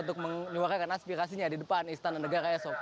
untuk menyuarakan aspirasinya di depan istana negara esok